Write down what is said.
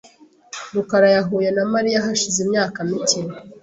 rukara yahuye na Mariya hashize imyaka mike .